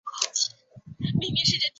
监制为岑国荣。